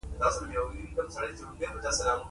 د بازار څارنه د پرمختګ لارې پيدا کوي.